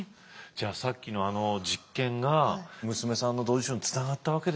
じゃあさっきのあの実験が娘さんの同時受賞につながったわけですよ。